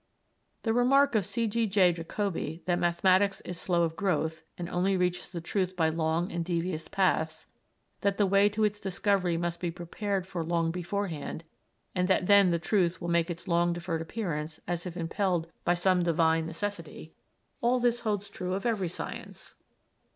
The remark of C. G. J. Jacobi that mathematics is slow of growth and only reaches the truth by long and devious paths, that the way to its discovery must be prepared for long beforehand, and that then the truth will make its long deferred appearance as if impelled by some divine necessity all this holds true of every science.